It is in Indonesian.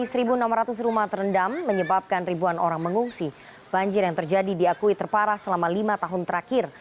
di satu enam ratus rumah terendam menyebabkan ribuan orang mengungsi banjir yang terjadi diakui terparah selama lima tahun terakhir